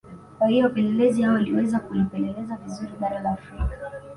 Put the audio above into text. Kwa hiyo wapelezi hao waliweza kulipeleleza vizuri bara la Afrika